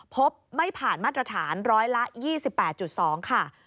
พบไม่ผ่านมาตรฐาน๑๒๘๒ค่ะ